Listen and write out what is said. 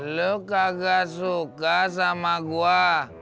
lu kagak suka sama gua